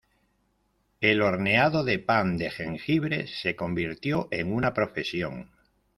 El horneado de pan de jengibre se convirtió en una profesión.